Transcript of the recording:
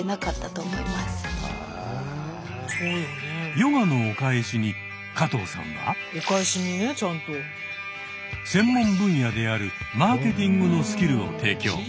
ヨガのお返しに加藤さんは専門分野であるマーケティングのスキルを提供。